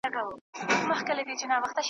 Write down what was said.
شات طبیعي خوږوالی لري.